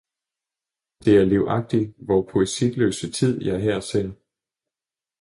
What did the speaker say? Det er livagtig vor poesiløse tid, jeg her ser!